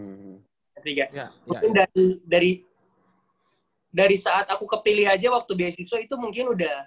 mungkin dan dari saat aku kepilih aja waktu beasiswa itu mungkin udah